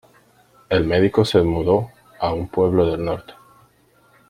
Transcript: El médico se mudó a un pueblo del norte.